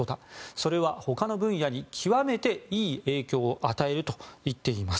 それは他の分野に極めていい影響を与えると言っています。